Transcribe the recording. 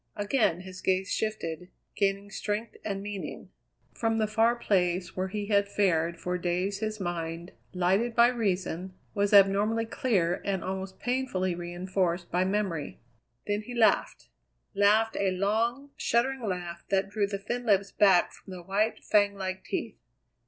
Again his gaze shifted, gaining strength and meaning. From the far place where he had fared for days his mind, lighted by reason, was abnormally clear and almost painfully reinforced by memory. Then he laughed laughed a long, shuddering laugh that drew the thin lips back from the white, fang like teeth.